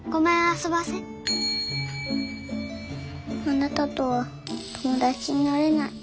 あなたとは友達になれない。